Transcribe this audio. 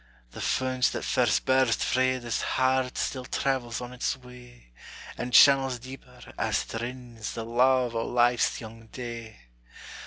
The fount that first burst frae this heart Still travels on its way; And channels deeper, as it rins, The luve o' life's young day.